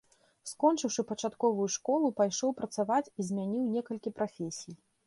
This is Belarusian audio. Скончыўшы пачатковую школу, пайшоў працаваць і змяніў некалькі прафесій.